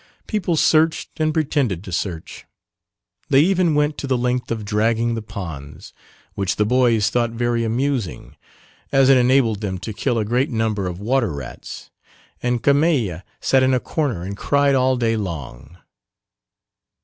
People searched and pretended to search, they even went to the length of dragging the ponds, which the boys thought very amusing, as it enabled them to kill a great number of water rats, and Carmeille sat in a corner and cried all day long.